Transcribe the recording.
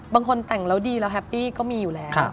บางคนแต่งแล้วดีแล้วแฮปปี้ก็มีอยู่แล้ว